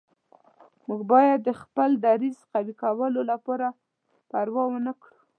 موږ باید د خپل دریځ قوي کولو لپاره پروا ونه کړو.